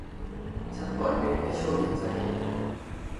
ฉันปล่อยเบรคในชั่วอึดใจ